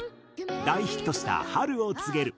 大ヒットした『春を告げる』。